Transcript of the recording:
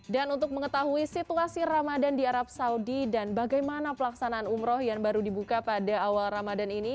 dan untuk mengetahui situasi ramadan di arab saudi dan bagaimana pelaksanaan umroh yang baru dibuka pada awal ramadan ini